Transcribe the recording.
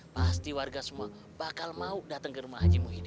pasti warga semua bakal mau datang ke rumah hajimu ini